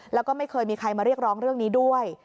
แล้วก็ไม่เคยมีใครมาเรียกร้องเรื่องนี้ด้วย